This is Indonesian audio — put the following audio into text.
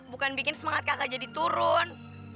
bukan bikin semangat kakak jadi turun